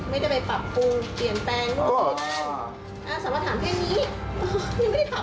ไม่ได้ไปปรับปรุงเปลี่ยนแปลงหรืออะไรบ้าง